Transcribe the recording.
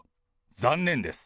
残念です。